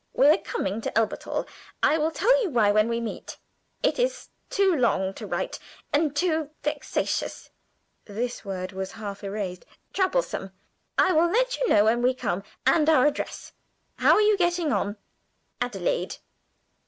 We are coming to Elberthal. I will tell you why when we meet. It is too long to write and too vexatious" (this word was half erased), "troublesome. I will let you know when we come, and our address. How are you getting on? "ADELAIDE."